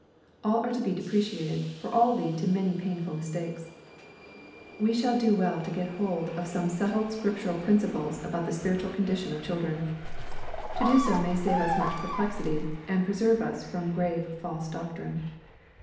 All are to be deprecated, for all lead to many painful mistakes. We shall do well to get hold of some settled scriptu ral principles about the spiritual condition of children. To do so may save us much perplexity, and preserve us from grave false doctrine.